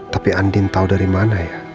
tapi andin tahu dari mana ya